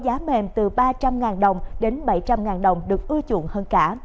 giá bình dân có giá mềm từ ba trăm linh ngàn đồng đến bảy trăm linh ngàn đồng được ưu chuộng hơn cả